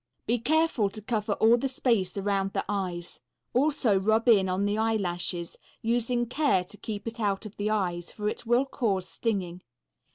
Be careful to cover all the space around the eyes, also rub in on the eyelashes, using care to keep it out of the eyes, for it will cause stinging.